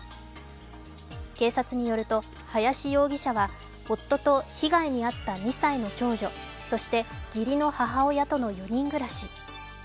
警察によると林容疑者は夫と被害に遭った２歳の長女そして義理の母親との４人暮らし。